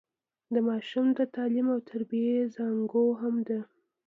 د ماشوم د تعليم او تربيې زانګو هم ده.